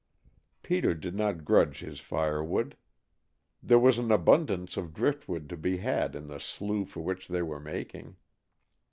Peter did not grudge his firewood; there was an abundance of driftwood to be had in the slough for which they were making.